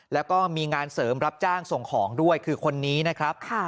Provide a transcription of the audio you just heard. แล้วก็มีงานเสริมรับจ้างส่งของด้วยคือคนนี้นะครับ